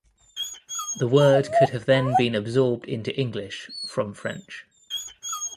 The word could have then been absorbed into English from French.